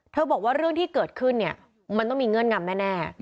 บอกว่าเรื่องที่เกิดขึ้นเนี่ยมันต้องมีเงื่อนงำแน่